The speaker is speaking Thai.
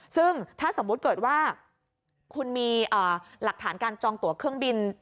ซึ่งถ้าสมมุติเกิดว่าคุณมีหลักฐานการจองตัวเครื่องบิน